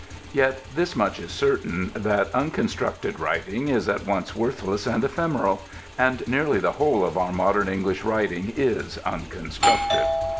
Yet this much is certain, that unconstructed writing is at once worthless and ephemeral: and nearly the whole of our modern English writing is unconstructed.